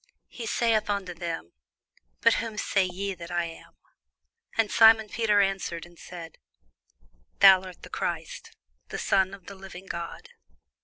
He saith unto them, But whom say ye that I am? And Simon Peter answered and said, Thou art the Christ, the Son of the living God.